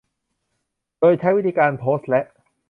โดยใช้วิธีการโพสและ